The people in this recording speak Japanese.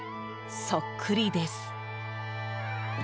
そっくりです。